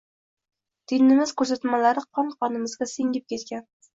Dinimiz ko‘rsatmalari qon-qonimizga singib ketgan.